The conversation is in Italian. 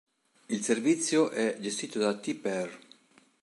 Il servizio è gestito da Tper.